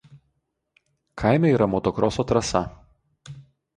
Kaime yra motokroso trasa.